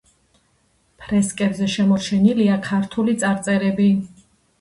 ფრესკებზე შემორჩენილია ქართული წარწერები.